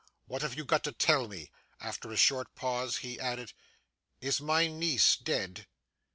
What have you got to tell me?' After a short pause, he added, 'Is my niece dead?